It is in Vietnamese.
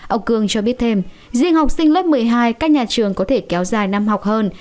ông cương cho biết thêm riêng học sinh lớp một mươi hai các nhà trường có thể kéo dài năm học hơn